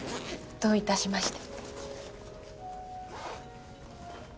どういたしまして。